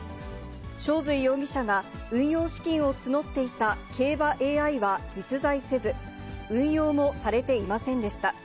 正瑞容疑者が運用資金を募っていた競馬ＡＩは実在せず、運用もされていませんでした。